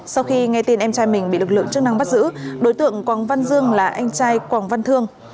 sau khi nghe tin em trai mình bị lực lượng chức năng bắt giữ đối tượng quảng văn dương là anh trai quảng văn thương